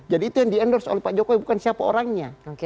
jadi itu yang di endorse oleh pak jokowi bukan siapa orangnya